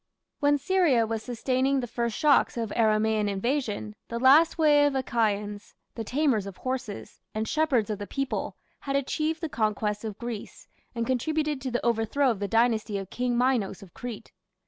When Syria was sustaining the first shocks of Aramaean invasion, the last wave of Achaeans, "the tamers of horses" and "shepherds of the people", had achieved the conquest of Greece, and contributed to the overthrow of the dynasty of King Minos of Crete.